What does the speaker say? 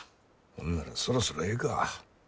ほんならそろそろええか。